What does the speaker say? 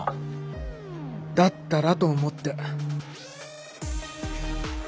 だったらと思って。